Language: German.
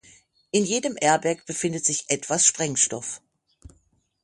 In jedem Airbag befindet sich etwas Sprengstoff.